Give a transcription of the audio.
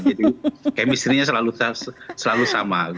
jadi kemisrinya selalu sama